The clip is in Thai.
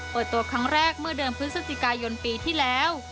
เปิดตัวครั้งแรกเมื่อเดือนพฤศจิกายนปีที่แล้ว